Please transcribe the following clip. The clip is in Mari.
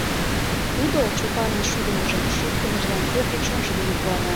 Тудо Чопанын шӱдымыжым шуктымыжлан кӧргӧ чонжо дене куана.